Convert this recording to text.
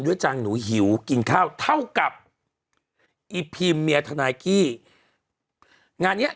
ด้วยจางหนูหิวกินข้าวเท่ากับอีพีมเมียธนาคีงานเนี้ย